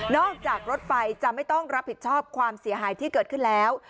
จากรถไฟจะไม่ต้องรับผิดชอบความเสียหายที่เกิดขึ้นแล้ว